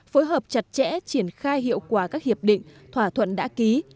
phối hợp chặt chẽ triển khai hiệu quả các hiệp định thỏa thuận đã ký